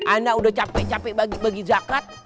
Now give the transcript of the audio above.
anda udah capek capek bagi bagi zakat